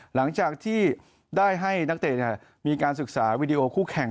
หลังจากที่ได้ให้นักเตะมีการศึกษาวิดีโอคู่แข่ง